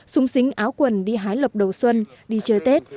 sung sính áo quần đi hái lọc đầu xuân đi chơi tết